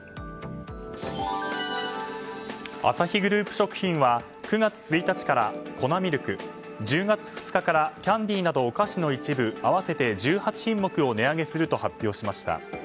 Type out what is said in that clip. アサヒグループ食品は４月１日から粉ミルク１０月２日からキャンディーなどお菓子の一部合わせて１８品目を値上げすると発表しました。